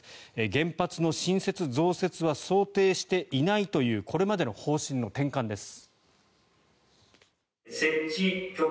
原発の新設、増設は想定していないというこれまでの方針の転換です。